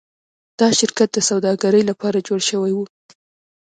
دا شرکت د سوداګرۍ لپاره جوړ شوی و.